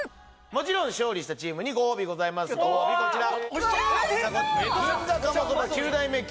もちろん勝利したチームにご褒美ございますこちら！